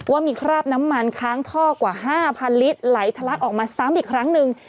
ว่ามีคราบน้ำมันค้างท่อกว่า๕๐๐ลิตรไหลทะลักออกมาซ้ำอีกครั้งหนึ่ง